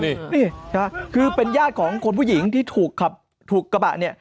นี่คือเป็นญาติของคนผู้หญิงที่ถูกขับถูกกระบะเนี่ย